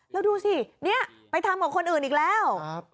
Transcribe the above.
แล้วดูสิเนี่ยไปทำกับคนอื่นอีกแล้ว